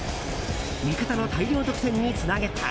味方の大量得点につなげた。